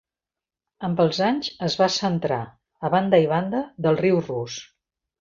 Amb els anys es va centrar a banda i banda del riu rus.